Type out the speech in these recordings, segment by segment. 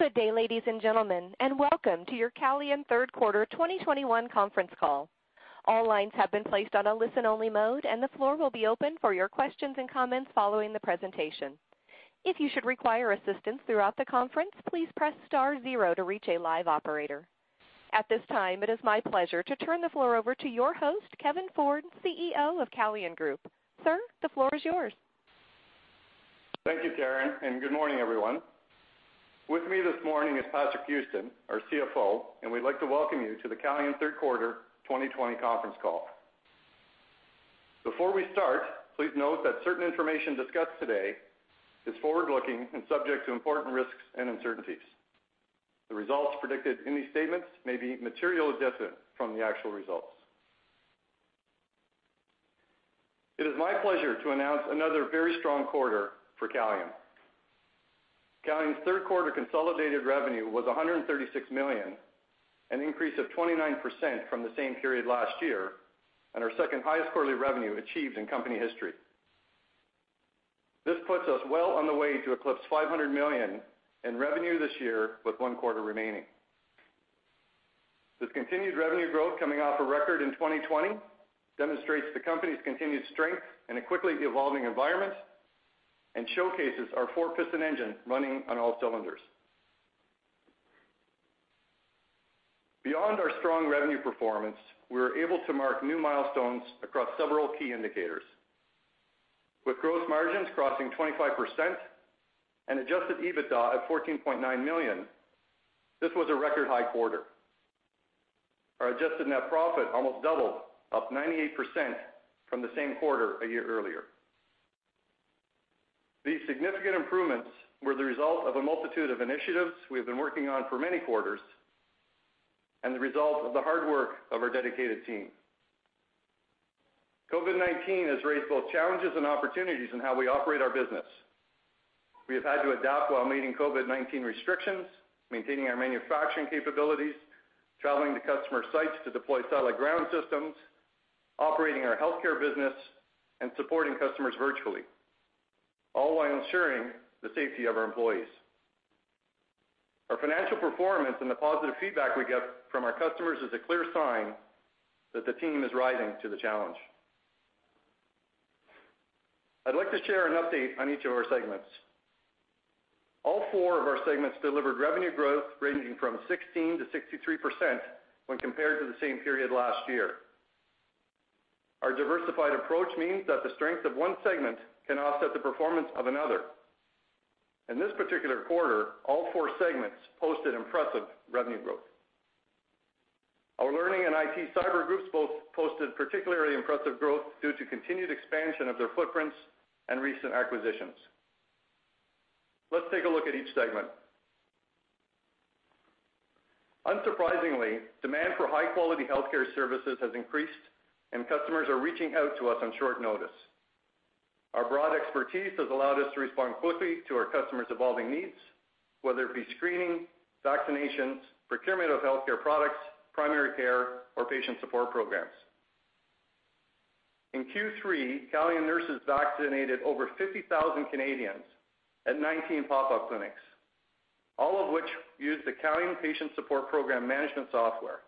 Good day, ladies and gentlemen, and welcome to your Calian Third Quarter 2021 Conference Call. All lines have been placed on a listen-only mode, and the floor will be open for your questions, and comments following the presentation. If you should require assistance throughout the conference, please press star zero to reach a live operator. At this time, it is my pleasure to turn the floor over to your host, Kevin Ford, CEO of Calian Group. Sir, the floor is yours. Thank you, Karen. Good morning, everyone. With me this morning is Patrick Houston, our CFO, and we'd like to welcome you to the Calian Third Quarter 2020 Conference Call. Before we start, please note that certain information discussed today is forward-looking, and subject to important risks, and uncertainties. The results predicted in these statements may be materially different from the actual results. It is my pleasure to announce another very strong quarter for Calian. Calian's third quarter consolidated revenue was 136 million, an increase of 29% from the same period last year, and our second highest quarterly revenue achieved in company history. This puts us well on the way to eclipse 500 million in revenue this year with one quarter remaining. This continued revenue growth coming off a record in 2020 demonstrates the company's continued strength in a quickly evolving environment, and showcases our four-piston engine running on all cylinders. Beyond our strong revenue performance, we were able to mark new milestones across several key indicators. With gross margins crossing 25%, and adjusted EBITDA at 14.9 million, this was a record-high quarter. Our adjusted net profit almost doubled, up 98% from the same quarter a year earlier. These significant improvements were the result of a multitude of initiatives we have been working on for many quarters, and the result of the hard work of our dedicated team. COVID-19 has raised both challenges, and opportunities in how we operate our business. We have had to adapt while meeting COVID-19 restrictions, maintaining our manufacturing capabilities, traveling to customer sites to deploy satellite ground systems, operating our healthcare business, and supporting customers virtually, all while ensuring the safety of our employees. Our financial performance, and the positive feedback we get from our customers is a clear sign that the team is rising to the challenge. I'd like to share an update on each of our segments. All four of our segments delivered revenue growth ranging from 16%-63% when compared to the same period last year. Our diversified approach means that the strength of one segment can offset the performance of another. In this particular quarter, all four segments posted impressive revenue growth. Our Learning and IT Cyber groups both posted particularly impressive growth due to continued expansion of their footprints, and recent acquisitions. Let's take a look at each segment. Unsurprisingly, demand for high-quality healthcare services has increased, and customers are reaching out to us on short notice. Our broad expertise has allowed us to respond quickly to our customers' evolving needs, whether it be screening, vaccinations, procurement of healthcare products, primary care, or patient support programs. In Q3, Calian nurses vaccinated over 50,000 Canadians at 19 pop-up clinics, all of which used the Calian patient support program management software.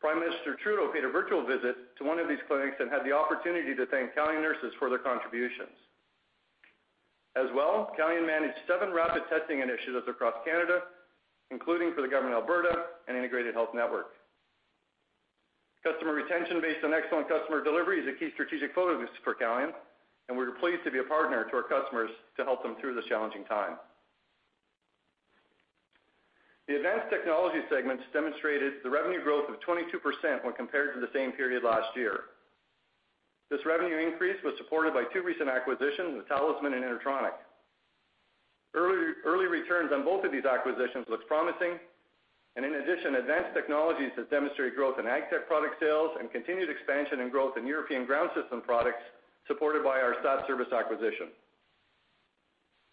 Prime Minister Trudeau paid a virtual visit to one of these clinics, and had the opportunity to thank Calian nurses for their contributions. As well, Calian managed seven rapid testing initiatives across Canada, including for the government of Alberta, and Integrated Health Network. Customer retention based on excellent customer delivery is a key strategic focus for Calian, and we're pleased to be a partner to our customers to help them through this challenging time. The Advanced Technology segments demonstrated the revenue growth of 22% when compared to the same period last year. This revenue increase was supported by two recent acquisitions with Tallysman and InterTronic. Early, early returns on both of these acquisitions looks promising. In addition, advanced technologies has demonstrated growth in ag tech product sales, and continued expansion, and growth in European ground system products supported by our SatService acquisition.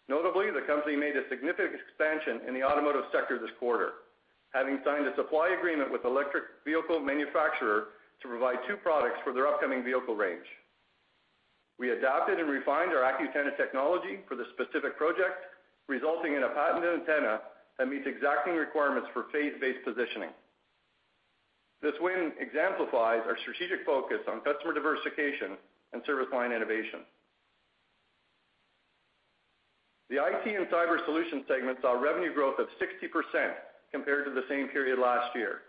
Notably, the company made a significant expansion in the automotive sector this quarter, having signed a supply agreement with electric vehicle manufacturer to provide two products for their upcoming vehicle range. We adapted and refined our Accutenna technology for the specific project, resulting in a patented antenna that meets exacting requirements for phase-based positioning. This win exemplifies our strategic focus on customer diversification, and service line innovation. The IT and Cyber Solutions segment saw revenue growth of 60% compared to the same period last year.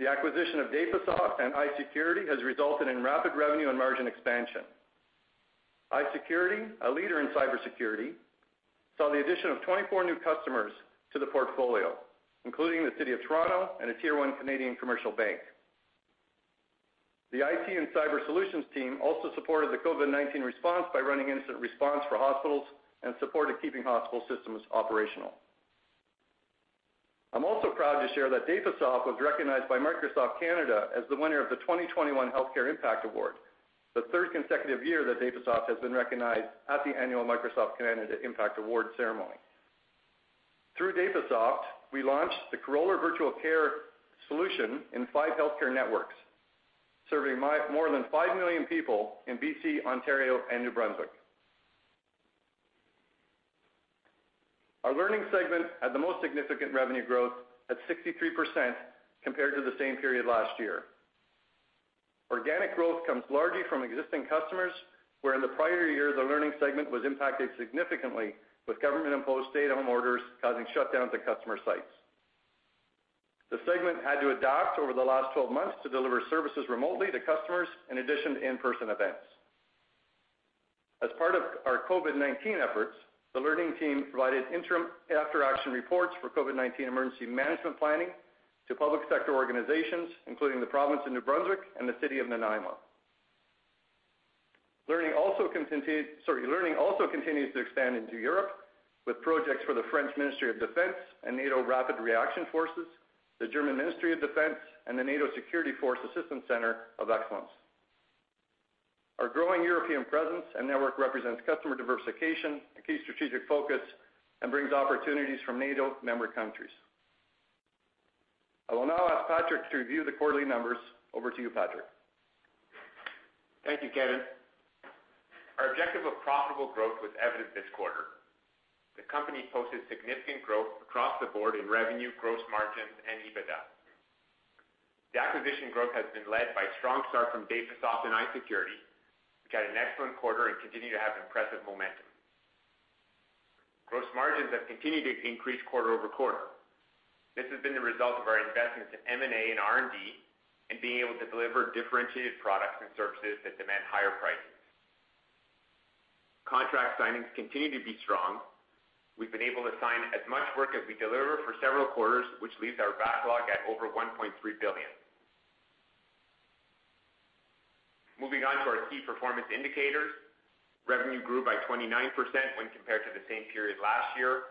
The acquisition of Dapasoft and iSecurity has resulted in rapid revenue, and margin expansion. iSecurity, a leader in cybersecurity, saw the addition of 24 new customers to the portfolio, including the City of Toronto, and a Tier 1 Canadian commercial bank. The IT and Cyber Solutions team also supported the COVID-19 response by running incident response for hospitals, and supported keeping hospital systems operational. I'm also proud to share that Dapasoft was recognized by Microsoft Canada as the winner of the 2021 Healthcare Impact Award, the third consecutive year that Dapasoft has been recognized at the annual Microsoft Canada Impact Award ceremony. Through Dapasoft, we launched the Corolar virtual care solution in five healthcare networks. Serving more than five million people in B.C., Ontario, and New Brunswick. Our Learning segment had the most significant revenue growth at 63% compared to the same period last year. Organic growth comes largely from existing customers, where in the prior year, the Learning segment was impacted significantly with government-imposed stay-at-home orders causing shutdowns at customer sites. The segment had to adapt over the last 12 months to deliver services remotely to customers, in addition to in-person events. As part of our COVID-19 efforts, the learning team provided interim after-action reports for COVID-19 emergency management planning to public sector organizations, including the province of New Brunswick, and the city of Nanaimo. Learning also, sorry Learning also continues to expand into Europe with projects for the French Ministry of Defense, and NATO Rapid Reaction Forces, the German Ministry of Defense, and the NATO Security Force Assistance Centre of Excellence. Our growing European presence, and network represents customer diversification, a key strategic focus, and brings opportunities from NATO member countries. I will now ask Patrick to review the quarterly numbers. Over to you, Patrick. Thank you, Kevin. Our objective of profitable growth was evident this quarter. The company posted significant growth across the board in revenue, gross margins, and EBITDA. The acquisition growth has been led by strong start from Dapasoft and iSecurity, which had an excellent quarter, and continue to have impressive momentum. Gross margins have continued to increase quarter-over-quarter. This has been the result of our investments in M&A and R&D, and being able to deliver differentiated products and services that demand higher prices. Contract signings continue to be strong. We've been able to sign as much work as we deliver for several quarters, which leaves our backlog at over 1.3 billion. Moving on to our key performance indicators. Revenue grew by 29% when compared to the same period last year.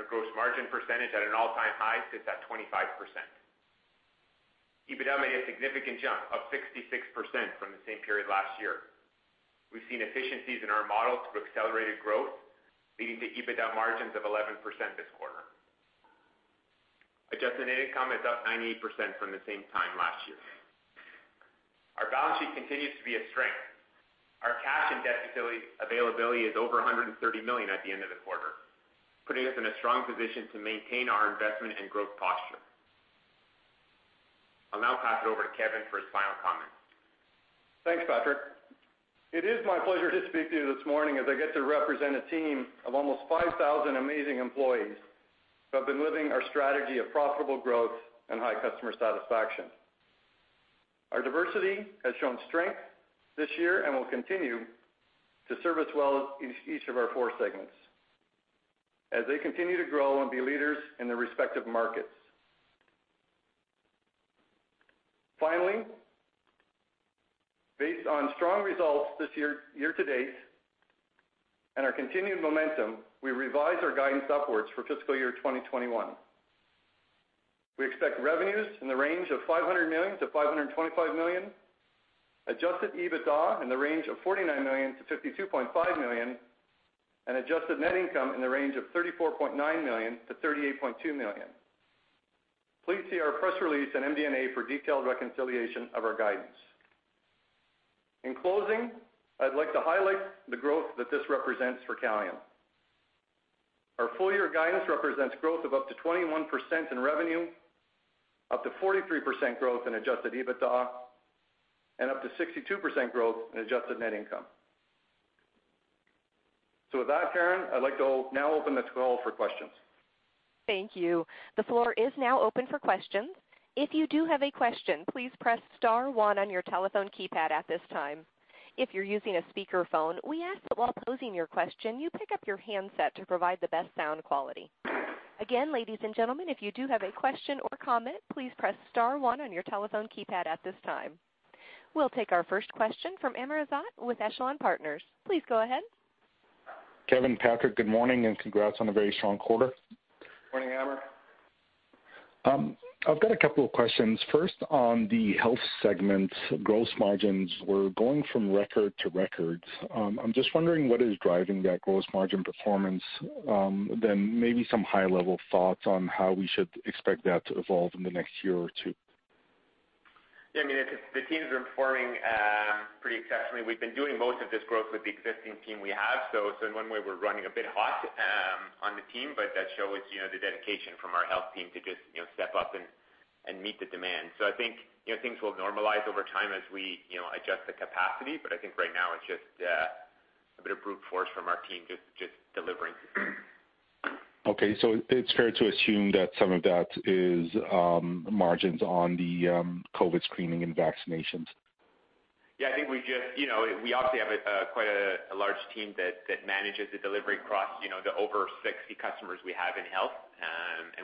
Our gross margin percentage at an all-time high sits at 25%. EBITDA made a significant jump of 66% from the same period last year. We've seen efficiencies in our model through accelerated growth, leading to EBITDA margins of 11% this quarter. Adjusted net income is up 98% from the same time last year. Our balance sheet continues to be a strength. Our cash, and debt availability is over 130 million at the end of the quarter, putting us in a strong position to maintain our investment, and growth posture. I'll now pass it over to Kevin for his final comments. Thanks, Patrick. It is my pleasure to speak to you this morning as I get to represent a team of almost 5,000 amazing employees, who have been living our strategy of profitable growth, and high customer satisfaction. Our diversity has shown strength this year, and will continue to serve us well in each of our four segments, as they continue to grow, and be leaders in their respective markets. Finally, based on strong results this year, year to date, and our continued momentum, we revise our guidance upwards for fiscal year 2021. We expect revenues in the range of 500 million-525 million, adjusted EBITDA in the range of 49 million-52.5 million, and adjusted net income in the range of 34.9 million-38.2 million. Please see our press release on MD&A for detailed reconciliation of our guidance. In closing, I'd like to highlight the growth that this represents for Calian. Our full-year guidance represents growth of up to 21% in revenue, up to 43% growth in adjusted EBITDA, and up to 62% growth in adjusted net income. With that, Karen, I'd like to now open the call for questions. Thank you. The floor is now open for questions. If you do have a question, please press star one on your telephone keypad at this time. If you're using a speakerphone, we ask that while posing your question, you pick up your handset to provide the best sound quality. Again, ladies and gentlemen, if you do have a question or comment, please press star one on your telephone keypad at this time. We'll take our first question from Amr Ezzat with Echelon Partners. Please go ahead. Kevin, Patrick, good morning, and congrats on a very strong quarter. Morning, Amr. I've got a couple of questions. First, on the Health segment, gross margins were going from record to records. I'm just wondering what is driving that gross margin performance, then maybe some high-level thoughts on how we should expect that to evolve in the next year or two. Yeah, the team is performing pretty exceptionally. We've been doing most of this growth with the existing team we have. In one way, we're running a bit hot on the team, but that shows the dedication from our health team to just step up, and meet the demand. I think things will normalize over time as we adjust the capacity, but I think right now it's just a bit of brute force from our team just delivering. Okay, so it's fair to assume that some of that is margins on the COVID-19 screening and vaccinations? Yeah, we obviously have quite a large team that manages the delivery across the over 60 customers we have in Health.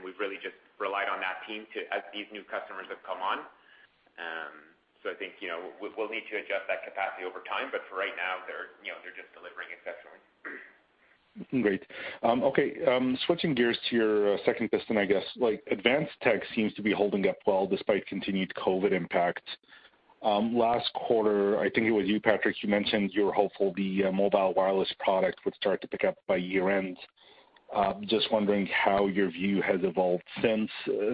We've really just relied on that team as these new customers have come on. I think we'll need to adjust that capacity over time, but for right now they're just delivering exceptionally. Great. Okay, switching gears to your second business, I guess. Advanced tech seems to be holding up well despite continued COVID impact. Last quarter, I think it was you, Patrick, you mentioned you were hopeful the mobile wireless product would start to pick up by year-end. Just wondering how your view has evolved since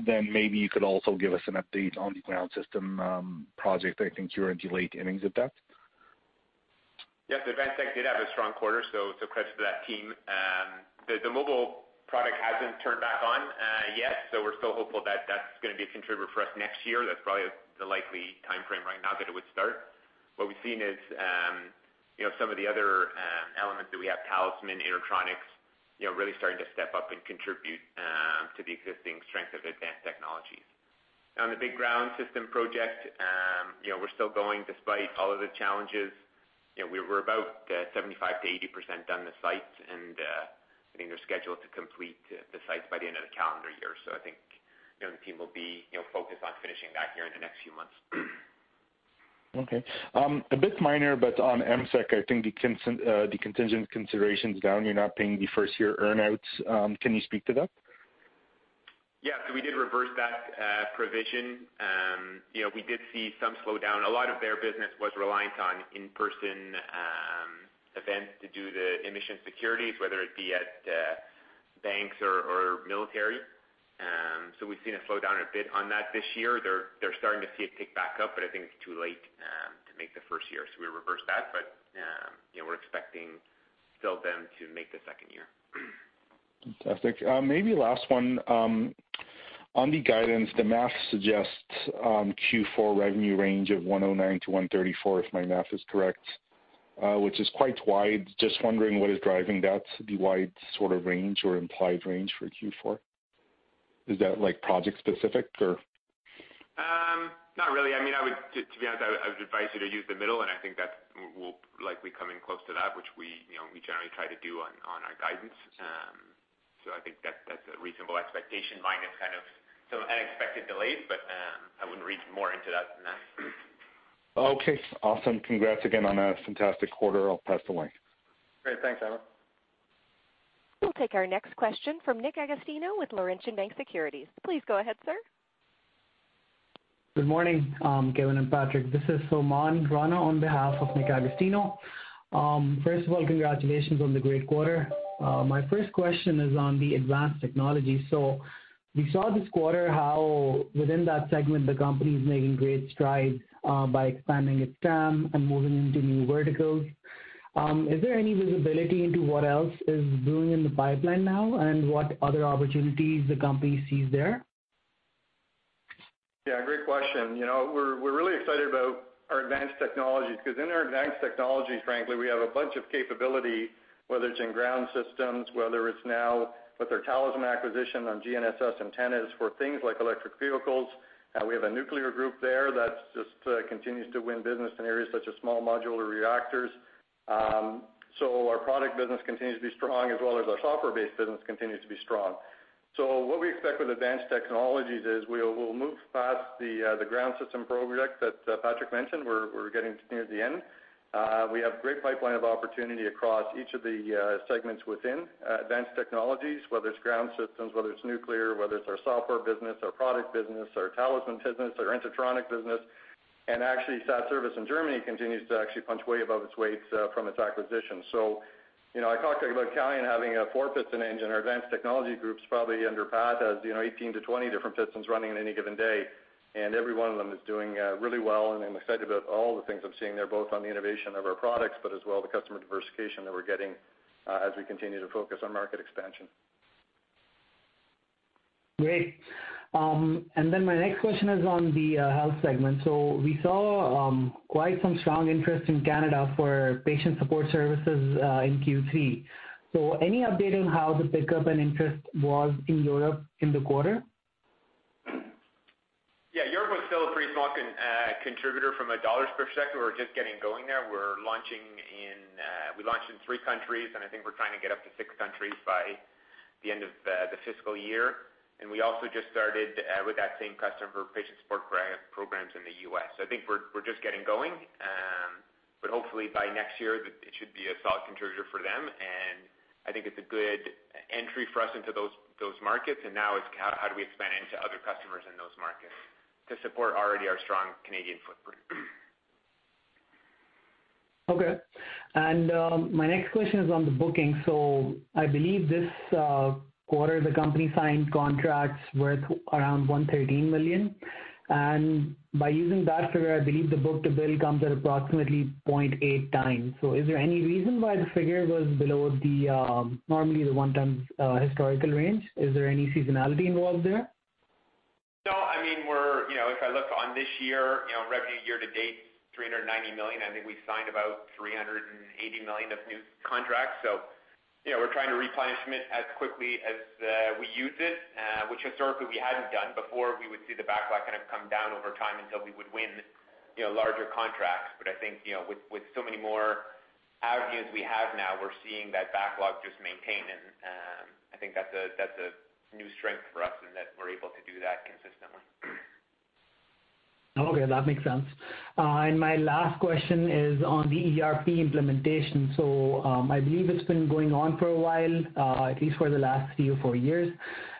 then. Maybe you could also give us an update on the ground system project. I think you're into late innings of that. The Advanced Technologies did have a strong quarter, credit to that team. The mobile product hasn't turned back on yet, we're still hopeful that that's going to be a contributor for us next year. That's probably the likely timeframe right now that it would start. What we've seen is some of the other elements that we have, Tallysman, InterTronic, really starting to step up, and contribute to the existing strength of Advanced Technologies. On the big ground system project, we're still going despite all of the challenges. We're about 75%-80% done the sites, and I think they're scheduled to complete the sites by the end of the calendar year. I think the team will be focused on finishing that here in the next few months. Okay. A bit minor, but on EMSEC, I think the contingent consideration is down. You're not paying the first-year earn-outs. Can you speak to that? Yeah, we did reverse that provision. We did see some slowdown. A lot of their business was reliant on in-person events to do the emission security, whether it be at banks or military. We've seen a slowdown a bit on that this year. They're starting to see it tick back up, but I think it's too late to make the first year, so we reversed that. We're expecting still them to make the second year. Fantastic. Maybe last one. On the guidance, the math suggests Q4 revenue range of 109-134, if my math is correct, which is quite wide. Just wondering what is driving that, the wide sort of range, or implied range for Q4? Is that project specific, or? Not really. To be honest, I would advise you to use the middle, and I think that we'll likely come in close to that, which we generally try to do on our guidance. I think that's a reasonable expectation, minus kind of some unexpected delays, but I wouldn't read more into that than that. Okay, awesome. Congrats again on a fantastic quarter. I'll pass the line. Great. Thanks, Amr. We'll take our next question from Nick Agostino with Laurentian Bank Securities. Please go ahead, sir. Good morning, Kevin and Patrick. This is Salman Rana on behalf of Nick Agostino. First of all, congratulations on the great quarter. My first question is on the Advanced Technology. We saw this quarter how within that segment, the company is making great strides by expanding its TAM, and moving into new verticals. Is there any visibility into what else is brewing in the pipeline now, and what other opportunities the company sees there? Yeah, great question. We're really excited about our Advanced Technologies because in our Advanced Technologies, frankly, we have a bunch of capability, whether it's in ground systems, whether it's now with our Tallysman acquisition on GNSS antennas for things like electric vehicles. We have a nuclear group there that just continues to win business in areas such as small modular reactors. Our product business continues to be strong as well as our software-based business continues to be strong. What we expect with Advanced Technologies is we'll move past the ground system project that Patrick mentioned. We're getting near the end. We have a great pipeline of opportunity across each of the segments within Advanced Technologies, whether it's ground systems, whether it's nuclear, whether it's our software business, our product business, our Tallysman business, our InterTronic business. Actually, SatService in Germany continues to actually punch way above its weight from its acquisition. I talked about Calian having a four-piston engine. Our Advanced Technology group's probably under Pat has 18-20 different pistons running on any given day, and every one of them is doing really well, and I'm excited about all the things I'm seeing there, both on the innovation of our products, but as well the customer diversification that we're getting as we continue to focus on market expansion. Great. My next question is on the Health segment. We saw quite some strong interest in Canada for patient support services in Q3. Any update on how the pickup, and interest was in Europe in the quarter? Europe was still a pretty small contributor from a dollars perspective. We're just getting going there. We're launching, we launched in three countries, and I think we're trying to get up to six countries by the end of the fiscal year. We also just started with that same customer for patient support programs in the U.S. I think we're just getting going. Hopefully by next year, it should be a solid contributor for them, and I think it's a good entry for us into those markets, and now it's how do we expand into other customers in those markets to support already our strong Canadian footprint. Okay. My next question is on the booking. I believe this quarter, the company signed contracts worth around 113 million. By using that figure, I believe the book to bill comes at approximately 0.8x. Is there any reason why the figure was below the normally the one time historical range? Is there any seasonality involved there? No. I mean we're, if I look on this year, revenue year to date, 390 million. I think we signed about 380 million of new contracts. We're trying to replenish as quickly as we use it, which historically we hadn't done before. We would see the backlog kind of come down over time until we would win larger contracts. I think with so many more avenues we have now, we're seeing that backlog just maintain, and I think that's a new strength for us in that we're able to do that consistently. Okay, that makes sense. My last question is on the ERP implementation. I believe it's been going on for a while, at least for the last three or four years.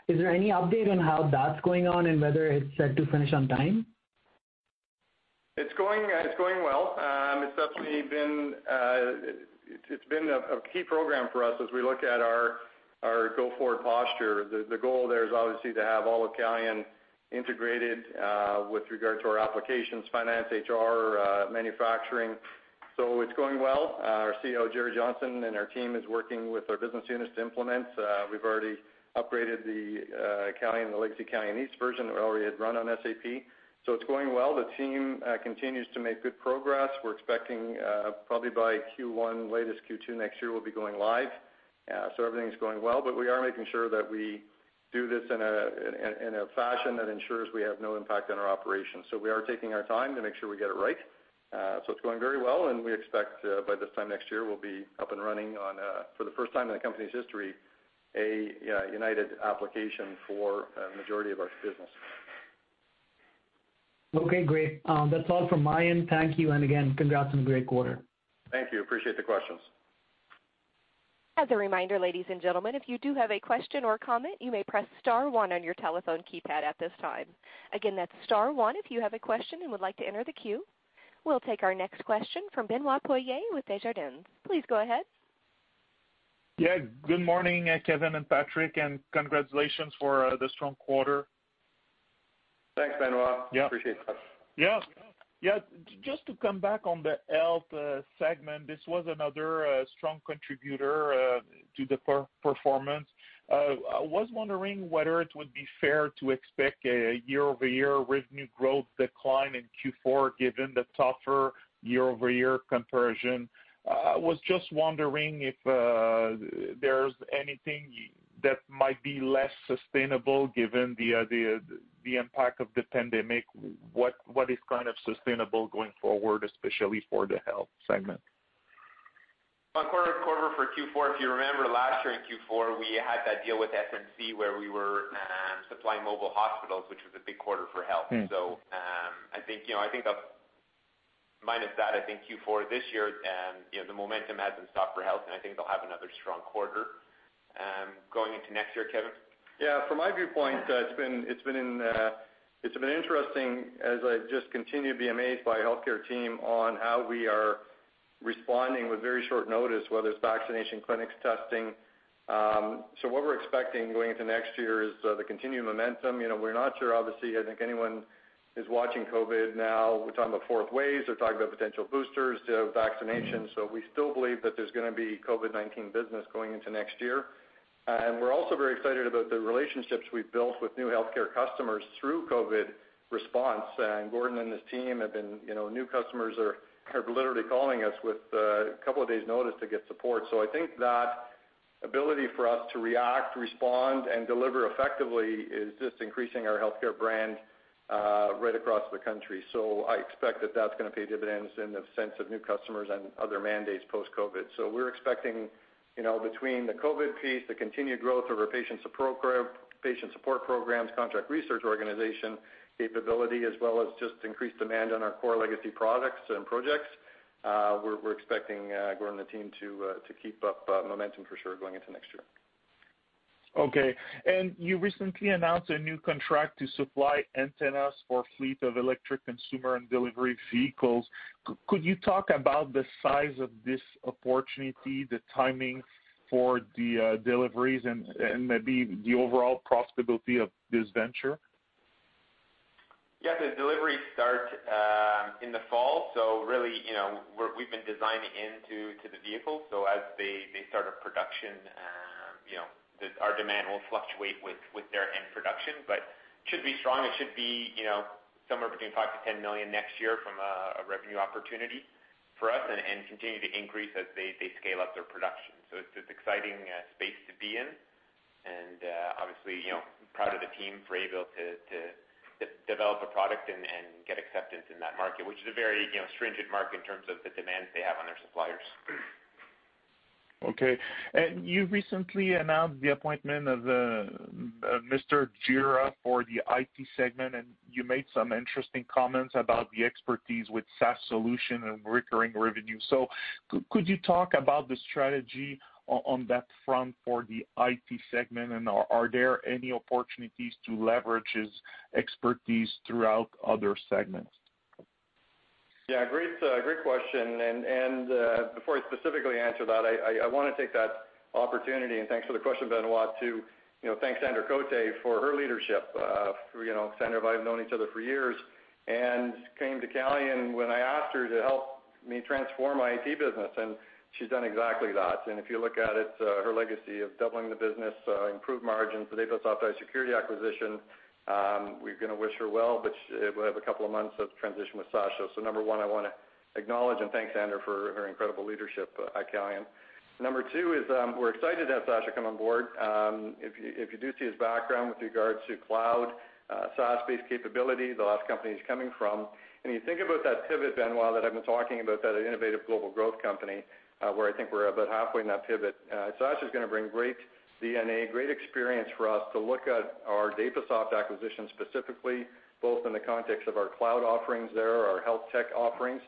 Is there any update on how that's going on, and whether it's set to finish on time? It's going, it's going well. It's definitely been, it's been a key program for us as we look at our go-forward posture. The goal there is obviously to have all of Calian integrated with regard to our applications, finance, HR, manufacturing. It's going well. Our CEO, Jerry Johnson, and our team is working with our business units to implement. We've already upgraded the Calian, the legacy Calian niche version that we already had run on SAP. It's going well. The team continues to make good progress. We're expecting, probably by Q1, latest Q2 next year, we'll be going live. Everything's going well, but we are making sure that we do this in a fashion that ensures we have no impact on our operations. We are taking our time to make sure we get it right. It's going very well, and we expect by this time next year, we'll be up and running on, for the first time in the company's history, a united application for a majority of our business. Okay, great. That's all from my end. Thank you, and again, congrats on a great quarter. Thank you. Appreciate the questions. As a reminder, ladies and gentlemen, if you do have a question or comment, you may press star one on your telephone keypad at this time. Again, that's star one if you have a question, and would like to enter the queue. We'll take our next question from Benoit Poirier with Desjardins. Please go ahead. Good morning, Kevin and Patrick, and congratulations for the strong quarter. Thanks, Benoit. Yeah. Appreciate that. Yeah, yeah, just to come back on the Health segment, this was another strong contributor to the performance. I was wondering whether it would be fair to expect a year-over-year revenue growth decline in Q4, given the tougher year-over-year conversion. I was just wondering if there's anything that might be less sustainable given the impact of the pandemic. What is sustainable going forward, especially for the Health segment? On quarter on quarter for Q4, if you remember last year in Q4, we had that deal with SNC, where we were supplying mobile hospitals, which was a big quarter for Health. I think you know of, minus that, I think Q4 this year, the momentum hasn't stopped for Health, and I think they'll have another strong quarter. Going into next year, Kevin? Yeah. From my viewpoint, it's been a, it's been an interesting, as I just continue to be amazed by the healthcare team on how we are responding with very short notice, whether it's vaccination clinics, testing. What we're expecting going into next year is the continued momentum. We're not sure, obviously, I think anyone is watching COVID now. We're talking about fourth waves, we're talking about potential boosters to vaccination. We still believe that there's going to be COVID-19 business going into next year. We're also very excited about the relationships we've built with new healthcare customers through COVID response. Gordon and his team, new customers are literally calling us with a couple of days' notice to get support. I think that ability for us to react, respond, and deliver effectively is just increasing our healthcare brand right across the country. I expect that that's going to pay dividends in the sense of new customers, and other mandates post-COVID. We're expecting between the COVID piece, the continued growth of our patient support programs, contract research organization capability, as well as just increased demand on our core legacy products and projects. We're expecting Gordon, and the team to keep up momentum for sure going into next year. Okay. You recently announced a new contract to supply antennas for a fleet of electric consumer, and delivery vehicles. Could you talk about the size of this opportunity, the timing for the deliveries, and maybe the overall profitability of this venture? Yes, the deliveries start in the fall. Really, we've been designing into the vehicle. As they start up production, our demand will fluctuate with their end production. It should be strong. It should be somewhere between 5 million-10 million next year from a revenue opportunity for us, and continue to increase as they scale up their production. It's an exciting space to be in. Obviously, I'm proud of the team for being able to develop a product, and get acceptance in that market, which is a very stringent market in terms of the demands they have on their suppliers. Okay. You recently announced the appointment of Mr. Gera for the IT segment, and you made some interesting comments about the expertise with SaaS solution, and recurring revenue. Could you talk about the strategy on that front for the IT segment, and are there any opportunities to leverage his expertise throughout other segments? Yeah, great question. Before I specifically answer that, I want to take that opportunity, and thanks for the question, Benoit, to thank Sandra Cote for her leadership. Sandra and I have known each other for years. She came to Calian when I asked her to help me transform my IT business, and she's done exactly that. If you look at it, her legacy of doubling the business, improved margins, the Dapasoft cybersecurity acquisition. We're going to wish her well, but we have a couple of months of transition with Sacha. Number one, I want to acknowledge, and thank Sandra for her incredible leadership at Calian. Number two is we're excited to have Sacha come on board. If you do see his background with regards to cloud, SaaS-based capability, the last company he's coming from, and you think about that pivot, Benoit, that I've been talking about, that innovative global growth company, where I think we're about halfway in that pivot. Sacha's going to bring great DNA, great experience for us to look at our Dapasoft acquisition specifically, both in the context of our cloud offerings there, our health tech offerings.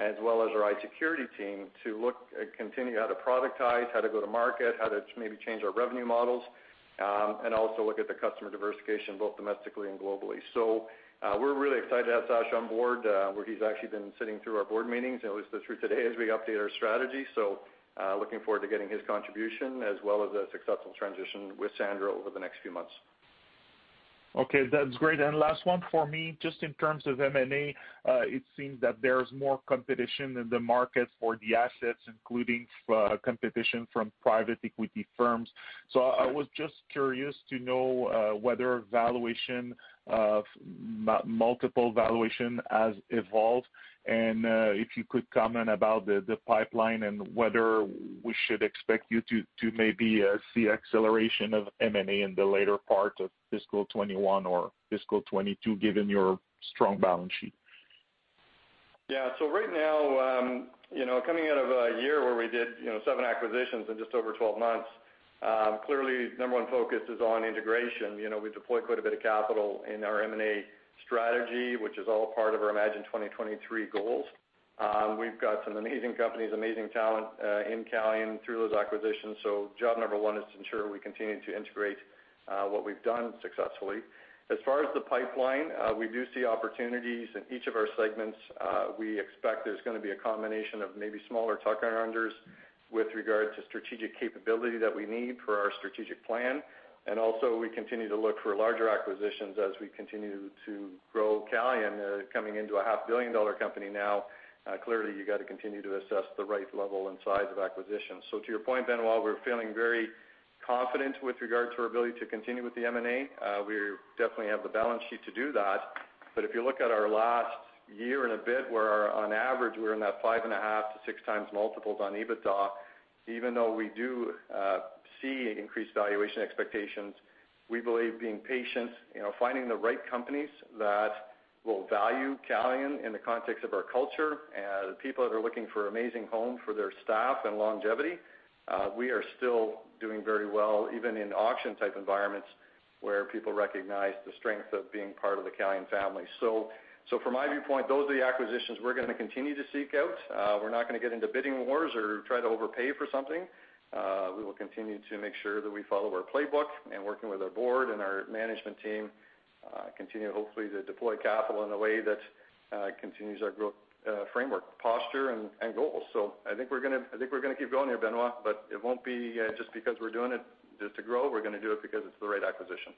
Our iSecurity team to look, and continue how to productize, how to go to market, how to maybe change our revenue models, and also look at the customer diversification, both domestically and globally. We're really excited to have Sacha on board, where he's actually been sitting through our Board meetings, and it was just true today as we update our strategy. Looking forward to getting his contribution as well as a successful transition with Sandra over the next few months. Okay. That's great. Last one for me, just in terms of M&A, it seems that there's more competition in the market for the assets, including competition from private equity firms. I was just curious to know whether valuation, multiple valuation has evolved, if you could comment about the pipeline, and whether we should expect you to maybe see acceleration of M&A in the later part of fiscal 2021 or fiscal 2022, given your strong balance sheet. Right now, coming out of a year where we did seven acquisitions in just over 12 months, clearly number one focus is on integration. We deployed quite a bit of capital in our M&A strategy, which is all part of our Imagine 2023 goals. We've got some amazing companies, amazing talent in Calian through those acquisitions. Job number one is to ensure we continue to integrate what we've done successfully. As far as the pipeline, we do see opportunities in each of our segments. We expect there's going to be a combination of maybe smaller tuck in-unders with regard to strategic capability that we need for our strategic plan. We continue to look for larger acquisitions as we continue to grow Calian. Coming into a half-billion-dollar company now, clearly you got to continue to assess the right level, and size of acquisitions. To your point, Benoit, we're feeling very confident with regard to our ability to continue with the M&A. We definitely have the balance sheet to do that. If you look at our last year, and a bit, where on average, we're in that 5.5x-6x multiples on EBITDA, even though we do see increased valuation expectations, we believe being patient, finding the right companies that will value Calian in the context of our culture, the people that are looking for amazing home for their staff and longevity, we are still doing very well, even in auction-type environments, where people recognize the strength of being part of the Calian family. From my viewpoint, those are the acquisitions we're going to continue to seek out. We're not going to get into bidding wars, or try to overpay for something. We will continue to make sure that we follow our playbook, and working with our Board and our management team, continue hopefully to deploy capital in a way that continues our growth framework, posture, and goals. I think we're going to keep going here, Benoit, but it won't be just because we're doing it just to grow. We're going to do it because it's the right acquisition.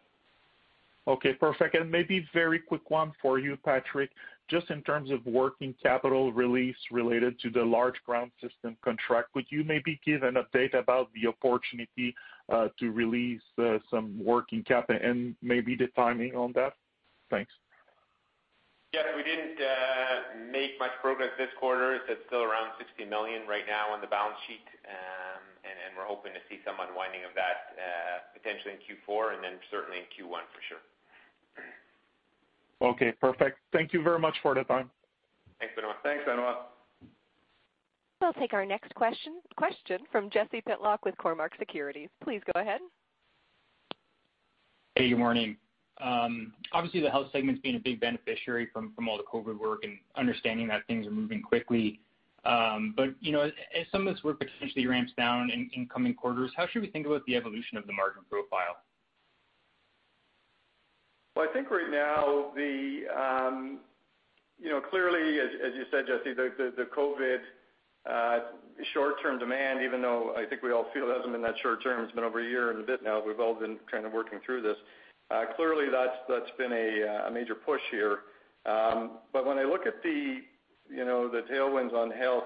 Okay, perfect. Maybe very quick one for you, Patrick. Just in terms of working capital release related to the large ground system contract, would you maybe give an update about the opportunity to release some working capital, and maybe the timing on that? Thanks. Yes. We didn't make much progress this quarter. It's still around 60 million right now on the balance sheet. We're hoping to see some unwinding of that, potentially in Q4, and then certainly in Q1 for sure. Okay, perfect. Thank you very much for the time. Thanks, Benoit. Thanks, Benoit. We'll take our next question, question from Jesse Pytlak with Cormark Securities. Please go ahead. Hey, good morning. Obviously the Health segment's been a big beneficiary from all the COVID-19 work, and understanding that things are moving quickly. As some of this work potentially ramps down in coming quarters, how should we think about the evolution of the margin profile? Well, I think right now, clearly as you said, Jesse, the COVID short-term demand, even though I think we all feel it hasn't been that short-term, it's been over a year and a bit now, we've all been kind of working through this. Clearly that's been a major push here, but when I look at the tailwinds on health,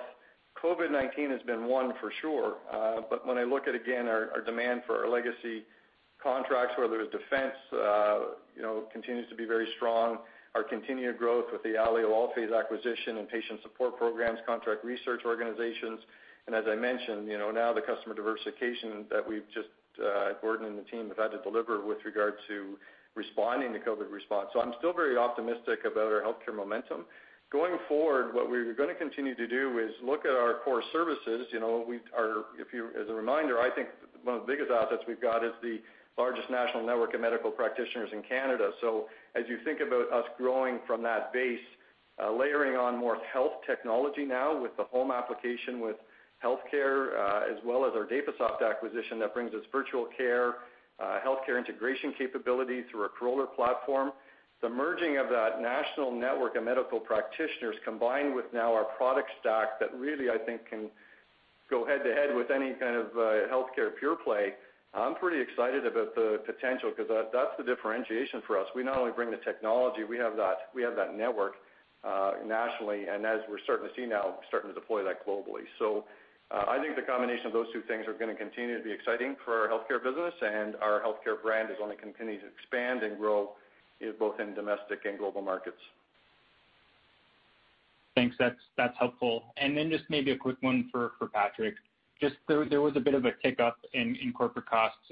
COVID-19 has been one for sure. When I look at, again, our demand for our legacy contracts, whether it's defense, continues to be very strong. Our continued growth with the Alio, Allphase acquisition, and patient support programs, contract research organizations, and as I mentioned, now the customer diversification that we just, Gordon and the team have had to deliver with regard to responding to COVID response. I'm still very optimistic about our healthcare momentum. Going forward, what we're going to continue to do is look at our core services. A reminder, I think one of the biggest assets we've got is the largest national network of medical practitioners in Canada. As you think about us growing from that base, layering on more health technology now with the home application with healthcare, as well as our Dapasoft acquisition that brings us virtual care, healthcare integration capability through our Corolar platform. The merging of that national network of medical practitioners combined with now our product stack that really I think can go head to head with any kind of healthcare pure play. I'm pretty excited about the potential because that's the differentiation for us. We not only bring the technology, we have that network nationally, and as we're starting to see now, starting to deploy that globally. I think the combination of those two things are going to continue to be exciting for our healthcare business and our healthcare brand as it only continues to expand, and grow both in domestic and global markets. Thanks. That's helpful. Just maybe a quick one for Patrick. Just there was a bit of a tick up in corporate costs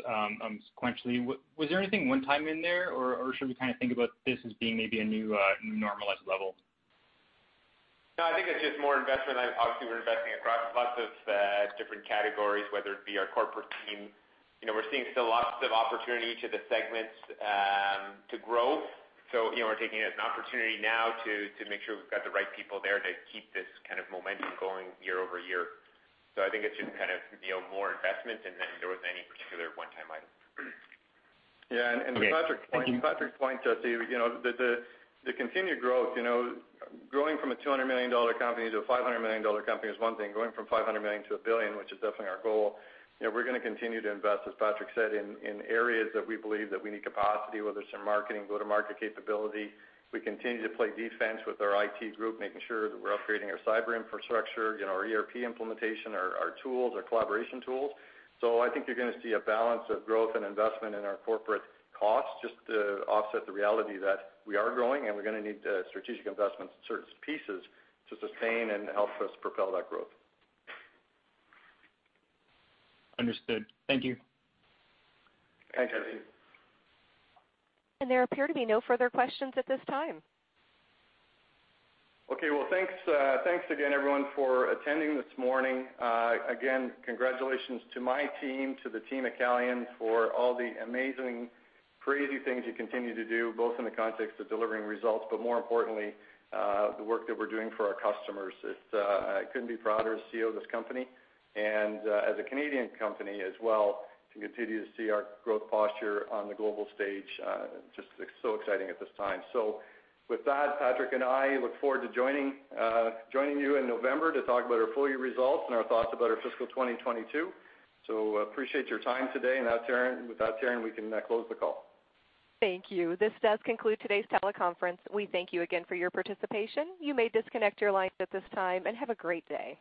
sequentially. Was there anything one-time in there, or should we think about this as being maybe a new normalized level? No, I think it's just more investment. Obviously, we're investing across lots of different categories, whether it be our corporate team. We're seeing still lots of opportunity to the segments to grow. We're taking it as an opportunity now to make sure we've got the right people there to keep this kind of momentum going year-over-year. I think it's just more investment than there was any particular one-time item. Yeah. To Patrick's point, Jesse, the continued growth, growing from a 200 million dollar company to a 500 million dollar company is one thing. Going from 500 million-1 billion, which is definitely our goal, we're going to continue to invest, as Patrick said, in areas that we believe that we need capacity, whether it's in marketing, go-to-market capability. We continue to play defense with our IT group, making sure that we're upgrading our cyber infrastructure, our ERP implementation, our tools, our collaboration tools. I think you're going to see a balance of growth and investment in our corporate costs just to offset the reality that we are growing, and we're going to need strategic investments in certain pieces to sustain, and help us propel that growth. Understood. Thank you. Thanks, Jesse. There appear to be no further questions at this time. Okay, well, thanks again, everyone, for attending this morning. Again, congratulations to my team, to the team at Calian, for all the amazing, crazy things you continue to do, both in the context of delivering results, but more importantly, the work that we're doing for our customers. I couldn't be prouder as CEO of this company, and as a Canadian company as well, to continue to see our growth posture on the global stage. Just so exciting at this time. With that, Patrick and I look forward to joining, joining you in November to talk about our full year results, and our thoughts about our fiscal 2022. Appreciate your time today. Now, Karen, with that, Karen, we can now close the call. Thank you. This does conclude today's teleconference. We thank you again for your participation. You may disconnect your lines at this time, and have a great day.